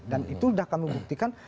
dan itu sudah kami buktikan